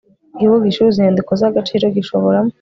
Ikigo gicuruza inyandiko z agaciro gishobora